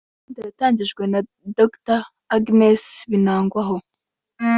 Iyi gahunda yatangijwe na Dr Agnes Binagwaho